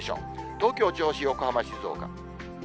東京、銚子、横浜、静岡。